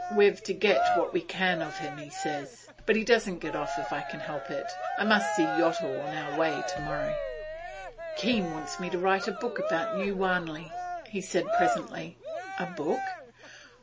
We've to get what we can of him, he says. But he doesn't get off if I can help it. I must see Yottle on our way tomorrow.' 'Keene wants me to write a book about New Wanley,' he said presently. 'A book?